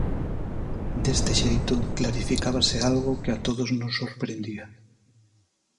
Deste xeito, clarificábase algo que a todos nos sorprendía.